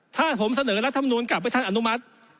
ถ้าผมเสนอรัฐมนูลกลับให้ท่านอนุมัติ